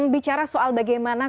bicara soal bagaimana penyakit